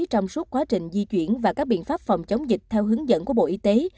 trong suốt quá trình di chuyển và các biện pháp phòng chống dịch theo hướng dẫn của bộ y tế